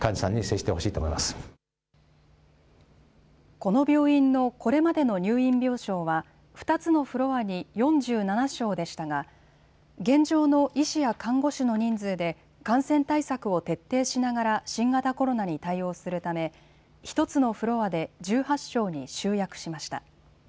この病院のこれまでの入院病床は２つのフロアに４７床でしたが現状の医師や看護師の人数で感染対策を徹底しながら新型コロナに対応するため１つのフロアで１８床に集約しました。